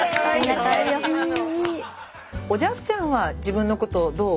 おじゃすちゃんは自分のことどう？